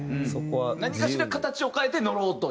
何かしら形を変えてのろうという？